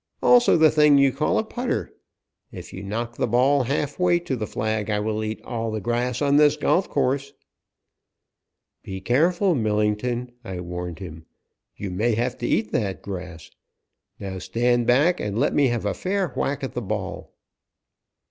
Also the thing you call a putter. If you knock the ball half way to the flag, I will eat all the grass on this golf course." "Be careful, Millington," I warned him. "You may have to eat that grass. Now, stand back and let me have a fair whack at the ball."